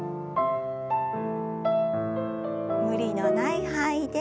無理のない範囲で。